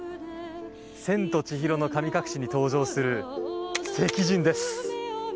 「千と千尋の神隠し」に登場する石人です。